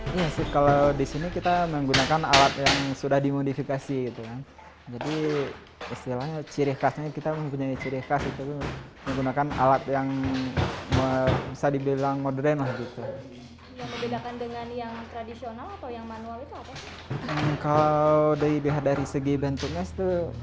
dengan menerapkan teknologi anyar yang berfungsi mempercepat pengerjaan songket